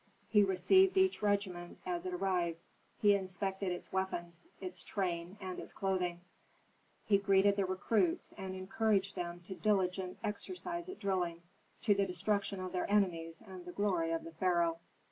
He received each regiment as it arrived; he inspected its weapons, its train, and its clothing. He greeted the recruits, and encouraged them to diligent exercise at drilling, to the destruction of their enemies and the glory of the pharaoh.